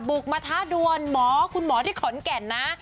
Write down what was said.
บุกมาท้าดวนหมอคุณหมอที่ขอนแก่นนะ